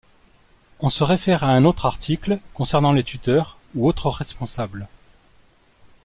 On se réfère à un autre article concernant les tuteurs ou autres responsables.